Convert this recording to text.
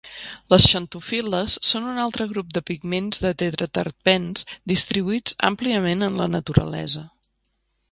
Les xantofil·les són un altre grup de pigments de tetraterpens distribuïts àmpliament en la naturalesa.